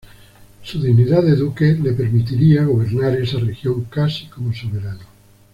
Su dignidad de duque le permitiría gobernar esa región casi como soberano.